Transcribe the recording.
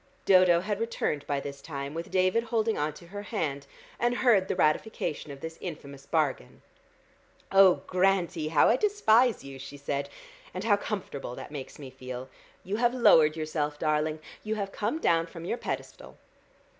Dodo had returned by this time, with David holding on to her hand, and heard the ratification of this infamous bargain. "Oh, Grantie, how I despise you," she said, "and how comfortable that makes me feel. You have lowered yourself, darling; you have come down from your pedestal."